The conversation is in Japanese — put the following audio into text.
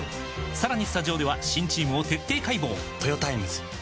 さらにスタジオでは新チームを徹底解剖！